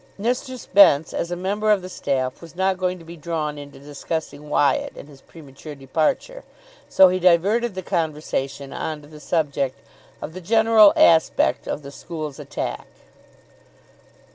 Mr. Spence, as a member of the staff, was not going to be drawn into discussing Wyatt and his premature departure, so he diverted the conversation on to the subject of the general aspect of the school's attack.